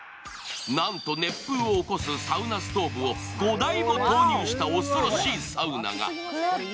なんと熱風を起こすサウナストーブを５台も投入した恐ろしいサウナが。